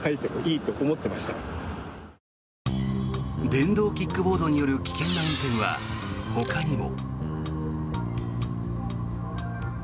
電動キックボードによる危険な運転はほかにも。